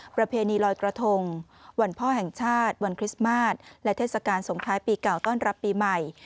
ประเพณีลอยกระทงวันพ่อแห่งชาติวันคริสต์มาสและเทศกาลสงท้ายปีเก่าต้อนรับปีใหม่